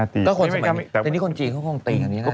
แต่คนจีนก็คงตีกันเอง